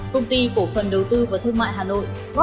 công ty cổ phần đầu tư và thương mại hà nội góp bảy mươi